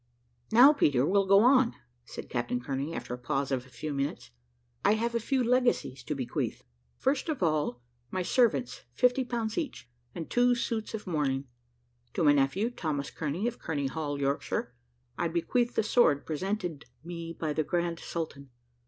"Now, Peter, we'll go on," said Captain Kearney, after a pause of a few minutes. "I have a few legacies to bequeath. First, to all my servants 50 pounds each, and two suits of mourning; to my nephew, Thomas Kearney, of Kearney Hall, Yorkshire, I bequeath the sword presented me by the grand Sultan.